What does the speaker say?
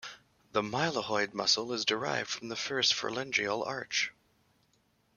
The mylohyoid muscle is derived from the first pharyngeal arch.